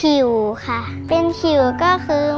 แล้วหนูก็บอกว่าไม่เป็นไรห้าว่างมาหาหนูบ้างนะคะ